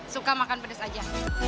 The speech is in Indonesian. suka makan pedas aja